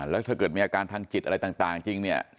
แล้วถ้าเกิดมีอาการทางจิตอะไรต่างจริงเนี่ย